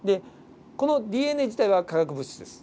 このＤＮＡ自体は化学物質です。